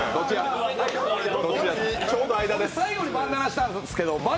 最後にバンダナしたんですけど